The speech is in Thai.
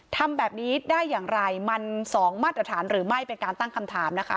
ทำแบบนี้ได้อย่างไรมันสองมาตรฐานหรือไม่เป็นการตั้งคำถามนะคะ